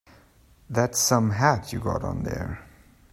That's some hat you got on there.